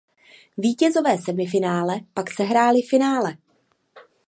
Vítězové semifinále pak sehráli finále.